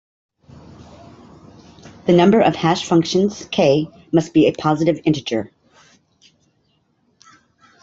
The number of hash functions, "k", must be a positive integer.